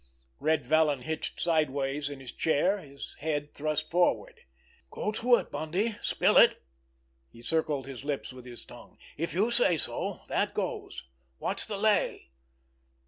Red Vallon hitched sideways in his chair, his head thrust forward. "Go to it, Bundy! Spill it!" He circled his lips with his tongue. "If you say so, that goes! What's the lay?"